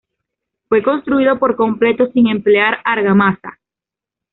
Fue construido por completo sin emplear argamasa.